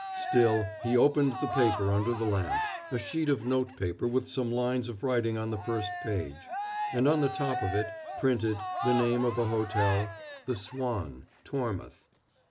Still, he opened the paper under the lamp a sheet of notepaper with some lines of writing on the first page; and on the top of it, printed, the name of a hotel, "The Swan, Tormouth."